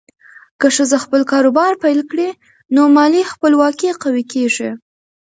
که ښځه خپل کاروبار پیل کړي، نو مالي خپلواکي قوي کېږي.